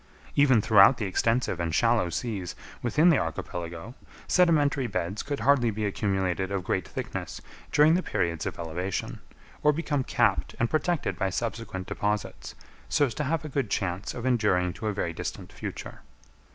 Even throughout the extensive and shallow seas within the archipelago, sedimentary beds could hardly be accumulated of great thickness during the periods of elevation, or become capped and protected by subsequent deposits, so as to have a good chance of enduring to a very distant future.